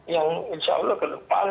yang insya allah ke depan